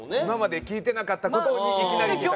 今まで聞いてなかった事をいきなり。